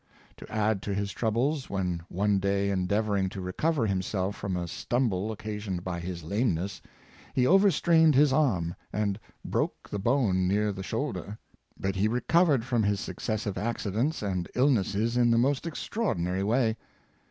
To add to his troubles, when one day en deavoring to recover himself from a stumble occasioned by his lameness, he overstrained his arm, and broke the 506 Wilson^ s Failing Health, bone near the shoulder. But he recovered from his successive accidents and illnesses in the most extraordi nary way.